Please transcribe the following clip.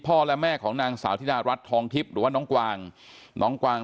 และแม่ของนางสาวธิดารัฐทองทิพย์หรือว่าน้องกวางน้องกวาง